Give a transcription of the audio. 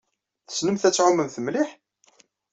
Tessnemt ad tɛumemt mliḥ?